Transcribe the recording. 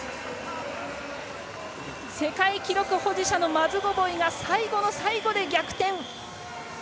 世界記録保持者のマズゴボイが最後の最後で逆転！